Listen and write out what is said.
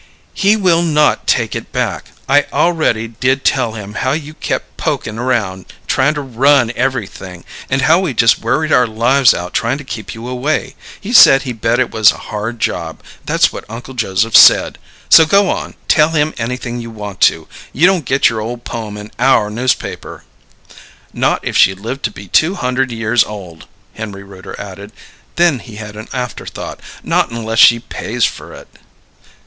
"He will not take it back. I already did tell him how you kept pokin' around, tryin' to run everything, and how we just worried our lives out tryin' to keep you away. He said he bet it was a hard job; that's what Uncle Joseph said! So go on, tell him anything you want to. You don't get your ole poem in our newspaper!" "Not if she lived to be two hunderd years old!" Henry Rooter added. Then he had an afterthought. "Not unless she pays for it."